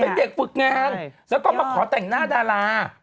เป็นเด็กฝึกงานแล้วก็มาขอแต่งหน้าดารา